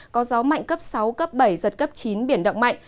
có gió mạnh cấp sáu cấp bảy giật cấp chín biển động mạnh